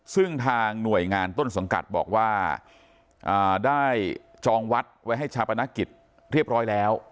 ซึ่งทางหน่วยงานต้นสังกัดบอกว่าได้จองวัดไว้ให้ชาปนกิจเรียบร้อยแล้ว